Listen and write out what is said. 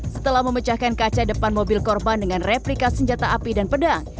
setelah memecahkan kaca depan mobil korban dengan replika senjata api dan pedang